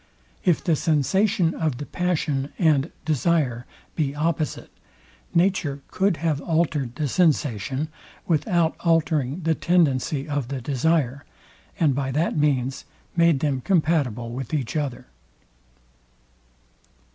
If the sensation of the passion and desire be opposite, nature could have altered the sensation without altering the tendency of the desire, and by that means made them compatible with each other.